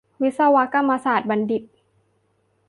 วิศวกรรมศาสตรบัณฑิต